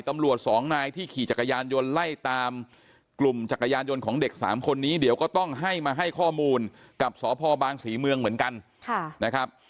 ตำรวจสองนายที่ขี่จักรยานยนต์ไล่ตามกลุ่มจักรยานยนต์ของเด็กสามคนนี้เดี๋ยวก็ต้องให้มาให้ข้อมูลกับสพบางศรีเมืองเหมือนกันนะครับ